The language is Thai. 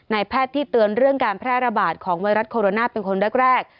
แพทย์ที่เตือนเรื่องการแพร่ระบาดของไวรัสโคโรนาเป็นคนแรก